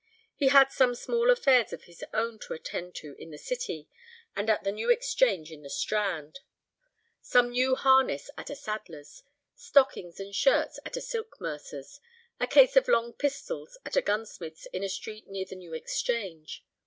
He had some small affairs of his own to attend to in the City and at the New Exchange in the Strand: some new harness at a saddler's; stockings and shirts at a silk mercer's; a case of long pistols at a gunsmith's in a street near the New Exchange.